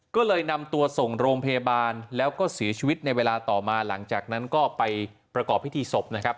ก็เลยนำตัวส่งโรงพยาบาลแล้วก็เสียชีวิตในเวลาต่อมาหลังจากนั้นก็ไปประกอบพิธีศพนะครับ